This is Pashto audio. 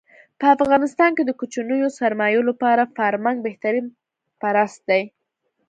په افغانستان کې د کوچنیو سرمایو لپاره فارمنګ بهترین پرست دی.